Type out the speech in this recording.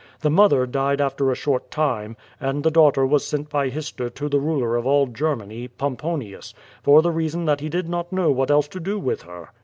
The mother died after a short time, and the daughter was sent by Hister to the ruler of all Germany, Pomponius, for the reason that he did not know what else to do with her.